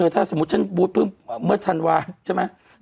ถ้าสมมุติฉันบู๊ดเมื่อธันวาใช่ไหม